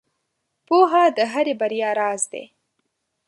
• پوهه د هرې بریا راز دی.